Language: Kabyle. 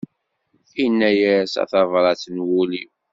Inna-as a tabrat n wul-iw.